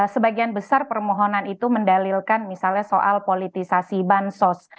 sebagian besar permohonan itu mendalilkan misalnya soal politisasi bansos